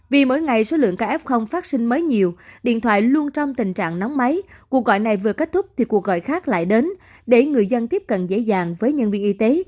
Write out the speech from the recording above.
vì mỗi ngày số lượng kf phát sinh mới nhiều điện thoại luôn trong tình trạng nóng máy cuộc gọi này vừa kết thúc thì cuộc gọi khác lại đến để người dân tiếp cận dễ dàng với nhân viên y tế